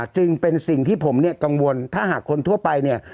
จึงเป็นสิ่งที่ผมเนี่ยกังวลถ้าหากคนทั่วไปเนี่ย